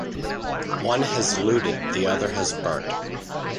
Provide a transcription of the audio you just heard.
One has looted, the other has burnt.